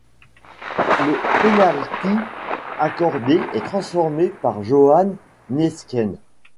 Le penalty accordé est transformé par Johan Neeskens.